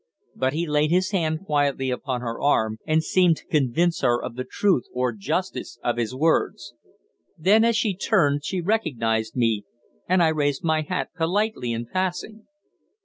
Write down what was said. But he laid his hand quietly upon her arm, and seemed to convince her of the truth or justice of his words. Then, as she turned, she recognized me, and I raised my hat politely in passing.